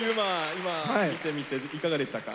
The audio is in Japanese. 今見てみていかがでしたか？